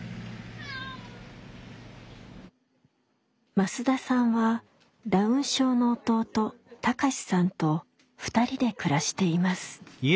増田さんはダウン症の弟貴志さんと２人で暮らしています。